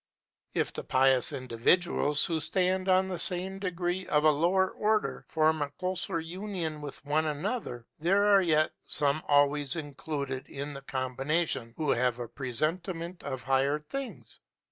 If the pious individuals, who stand on the same degree of a lower order, form a closer union with one another, there are yet some always included in the combination who have a presentiment of higher things.